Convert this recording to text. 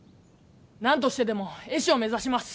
何としてでも絵師を目指します。